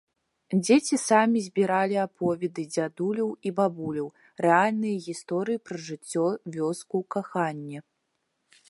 Дзеці самі збіралі аповеды дзядуляў і бабуляў, рэальныя гісторыі пра жыццё, вёску, каханне.